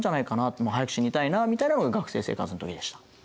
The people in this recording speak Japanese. って「早く死にたいな」みたいなのが学生生活の時でした。